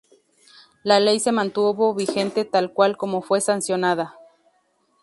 La Ley se mantuvo vigente tal cual como fue sancionada.